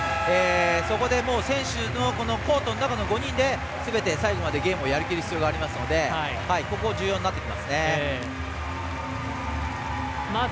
そこで選手のコートの中の５人ですべて最後までゲームをやりきる必要がありますのでここ、重要になってきます。